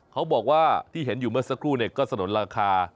เขาบอกว่าที่เห็นอยู่เมื่อสักครู่เนี่ยก็สนุนราคา